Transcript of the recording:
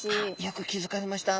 よく気付かれました。